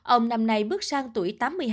ông năm nay bước sang tuổi tám mươi hai